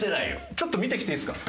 ちょっと見てきていいですか？